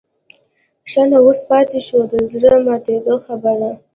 ښه نو اوس پاتې شوه د زړه د ماتېدو خبره.